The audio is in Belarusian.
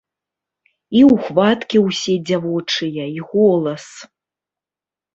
І ўхваткі ўсе дзявочыя, й голас.